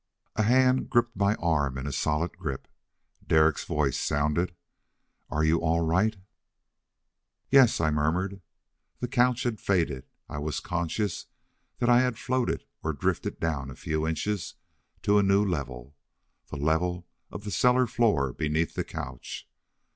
A hand gripped my arm in a solid grip. Derek's voice sounded. "Are you all right?" "Yes," I murmured. The couch had faded. I was conscious that I had floated or drifted down a few inches, to a new level. The level of the cellar floor beneath the couch.